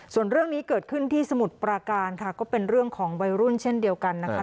ส่วนเรื่องนี้เกิดขึ้นที่สมุทรปราการค่ะก็เป็นเรื่องของวัยรุ่นเช่นเดียวกันนะคะ